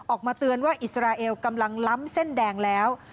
ออกมาเตือนว่าอิสราเอลกำลังล้ำเส้นแดงแล้ว